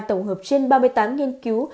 tổng hợp trên ba mươi tám nghiên cứu